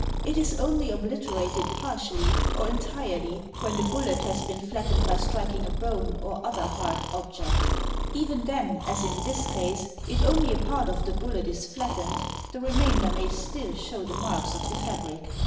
It is only obliterated partially or entirely when the bullet has been flattened by striking a bone or other hard object. Even then, as in this case, if only a part of the bullet is flattened the remainder may still show the marks of the fab'ric.